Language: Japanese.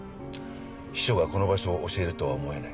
秘書がこの場所を教えるとは思えない。